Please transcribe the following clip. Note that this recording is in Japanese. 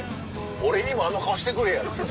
俺にもあの顔してくれやって。